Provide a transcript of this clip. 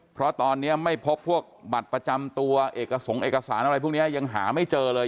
เพราะตอนนี้ไม่พบพวกบัตรประจำตัวเอกสงค์เอกสารอะไรพวกนี้ยังหาไม่เจอเลย